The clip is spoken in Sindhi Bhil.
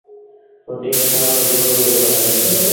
ڦُٽيٚ اسآݩ رو هڪڙو روز گآر اهي